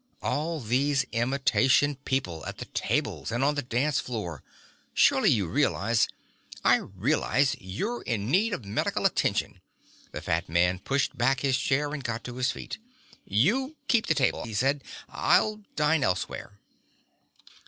"All these imitation people at the tables and on the dance floor. Surely you realize " "I realize you're in need of medical attention." The fat man pushed back his chair and got to his feet. "You keep the table," he said. "I'll dine elsewhere."